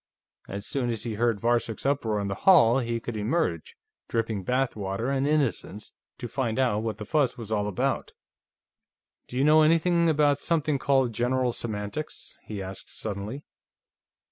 As soon as he heard Varcek's uproar in the hall, he could emerge, dripping bathwater and innocence, to find out what the fuss was all about.... Do you know anything about something called General Semantics?" he asked suddenly.